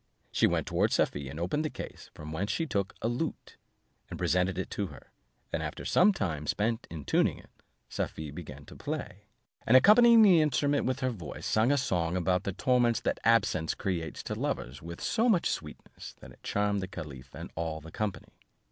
She went towards Safie and opened the case, from whence she took a lute, and presented it to her: and after some time spent in tuning it, Safie began to play, and accompanying the instrument with her voice, sung a song about the torments that absence creates to lovers, with so much sweetness, that it charmed the caliph and all the company.